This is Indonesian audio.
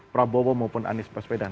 prabowo maupun anies paspedan